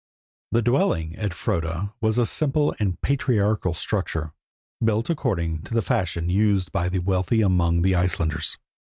The dwelling at Froda was a simple and patriarchal structure, built according to the fashion used by the wealthy among the Icelanders.